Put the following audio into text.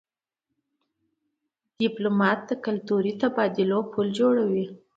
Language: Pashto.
ډيپلومات د کلتوري تبادلو پل جوړوي.